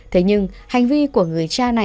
thế nhưng hành vi của người cha